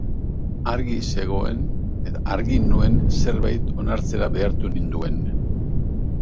Argi zegoen eta argi nuen zerbait onartzera behartu ninduen.